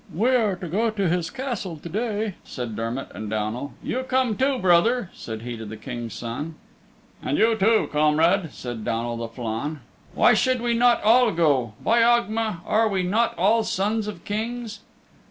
"We are to go to his Castle to day," said Dermott and Downal. "You come too, brother," said he to the King's Son. "And you too, comrade," said Downal to Flann. "Why should we not all go? By Ogma! Are we not all sons of Kings?"